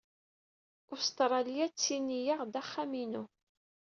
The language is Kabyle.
Ustṛalya ttini-aɣ axxam-inu.